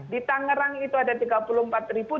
di tangerang itu ada tiga puluh empat ribu